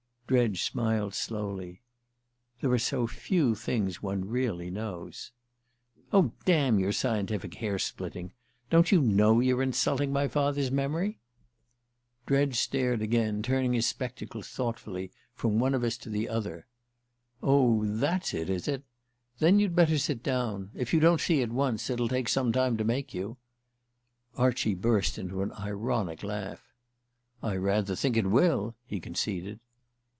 Dredge smiled slowly. "There are so few things one really knows." "Oh, damn your scientific hair splitting! Don't you know you're insulting my father's memory?" Dredge stared again, turning his spectacles thoughtfully from one of us to the other. "Oh, that's it, is it? Then you'd better sit down. If you don't see at once it'll take some time to make you." Archie burst into an ironic laugh. "I rather think it will!" he conceded.